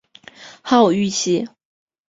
号玉溪。